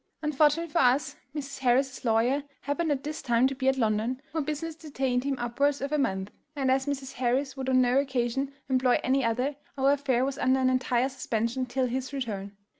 "Unfortunately for us, Mrs. Harris's lawyer happened at this time to be at London, where business detained him upwards of a month, and, as Mrs. Harris would on no occasion employ any other, our affair was under an entire suspension till his return.